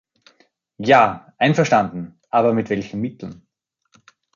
Ja, einverstanden, aber mit welchen Mitteln?